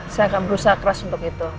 saya akan berusaha keras untuk itu